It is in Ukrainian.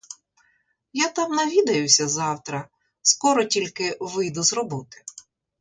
Я там навідаюся завтра, скоро тільки вийду з роботи.